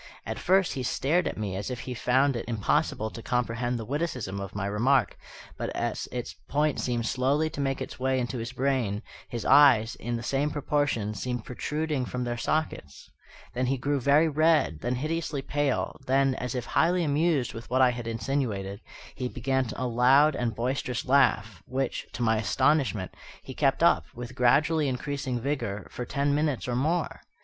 At first he stared at me as if he found it impossible to comprehend the witticism of my remark; but as its point seemed slowly to make its way into his brain, his eyes, in the same proportion, seemed protruding from their sockets. Then he grew very red, then hideously pale, then, as if highly amused with what I had insinuated, he began a loud and boisterous laugh, which, to my astonishment, he kept up, with gradually increasing vigour, for ten minutes or more.